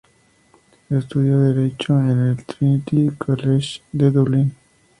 Estudió Derecho en el Trinity College de Dublín.